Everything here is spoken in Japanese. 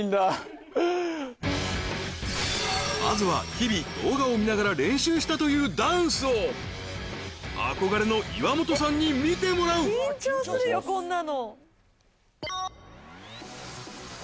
まずは日々動画を見ながら練習したというダンスを憧れの岩本さんに見てもらううん？